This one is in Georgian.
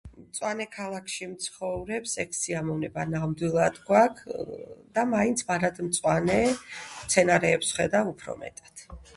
მწვანე ქალაქში მცხოვრებს ეგ სიამოვნება ნამდვილად გვაქ და მაინც მარადმწვანე მცენარეებს ვხედავ უფრო მეტად